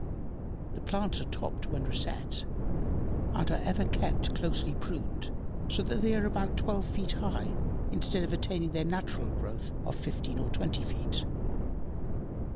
The plants are topped when reset, and are ever after kept closely pruned, so that they are about twelve feet high, instead of attaining their natural growth of fifteen or twenty feet.